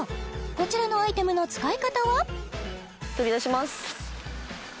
こちらのアイテムの使い方は取り出します